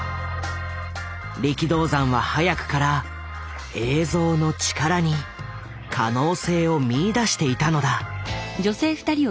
力道山は早くから「映像」の力に可能性を見いだしていたのだ。